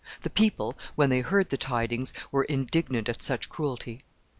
The people, when they heard the tidings, were indignant at such cruelty.